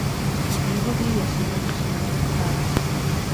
Moi bo día, señores e señoras deputadas.